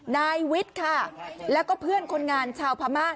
นายวิทย์ค่ะแล้วก็เพื่อนคนงานชาวพม่า